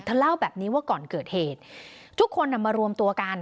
เล่าแบบนี้ว่าก่อนเกิดเหตุทุกคนมารวมตัวกัน